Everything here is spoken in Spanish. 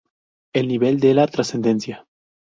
El nivel de la trascendencia.